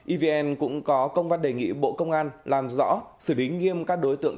evn cũng có công văn đề nghị bộ công an làm rõ xử lý nghiêm các đối tượng